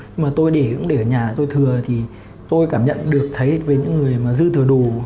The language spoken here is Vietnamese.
nhưng mà tôi để ở nhà tôi thừa thì tôi cảm nhận được thấy với những người mà dư thừa đủ